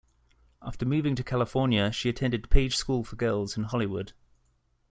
After moving to California, she attended Page School for Girls in Hollywood.